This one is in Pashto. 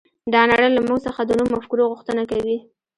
دا نړۍ له موږ څخه د نويو مفکورو غوښتنه کوي.